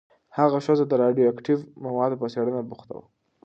هغه ښځه د راډیواکټیف موادو په څېړنه بوخته وه.